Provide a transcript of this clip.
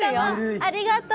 ありがとう！